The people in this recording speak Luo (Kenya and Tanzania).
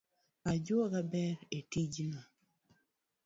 Ajuoga ber etijno